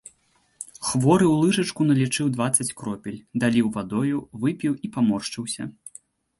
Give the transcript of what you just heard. Хворы ў лыжачку налічыў дваццаць кропель, даліў вадою, выпіў і паморшчыўся.